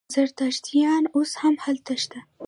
زردشتیان اوس هم هلته شته.